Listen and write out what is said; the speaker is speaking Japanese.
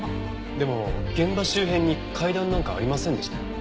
でも現場周辺に階段なんかありませんでしたよ。